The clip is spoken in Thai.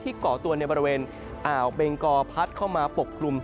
ก่อตัวในบริเวณอ่าวเบงกอพัดเข้ามาปกกลุ่ม